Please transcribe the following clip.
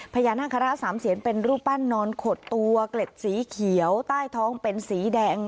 พญานาคาราชสามเสียนเป็นรูปปั้นนอนขดตัวเกล็ดสีเขียวใต้ท้องเป็นสีแดง